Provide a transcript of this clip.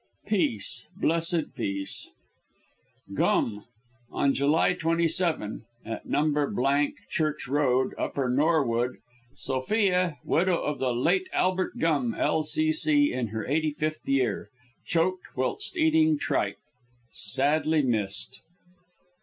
Peace, blessed Peace. GUM. On July 27, at No. Church Road, Upper Norwood, Sophia, widow of the late Albert Gum, L.C.C., in her 85th year. Choked whilst eating tripe. Sadly missed!